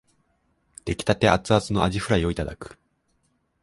出来立てアツアツのあじフライをいただく